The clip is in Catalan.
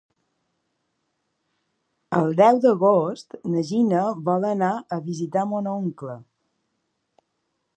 El deu d'agost na Gina vol anar a visitar mon oncle.